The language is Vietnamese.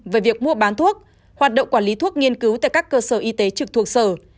về việc mua bán thuốc hoạt động quản lý thuốc nghiên cứu tại các cơ sở y tế trực thuộc sở